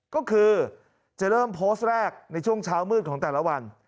ก็คือจะเริ่มโพสต์แรกในช่วงเช้ามืดของแต่ละวัน